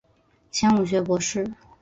迁武学博士。